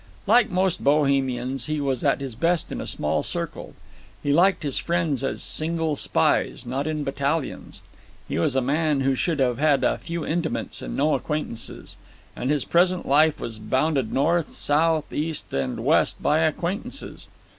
Like most Bohemians, he was at his best in a small circle. He liked his friends as single spies, not in battalions. He was a man who should have had a few intimates and no acquaintances; and his present life was bounded north, south, east, and west by acquaintances.